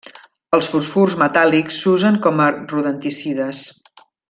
Els fosfurs metàl·lics s'usen com a rodenticides.